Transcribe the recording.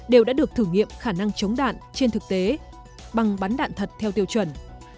đều đã được thử nghiệm khả năng chống đạn trên thực tế bằng bắn đạn thật theo tiêu chuẩn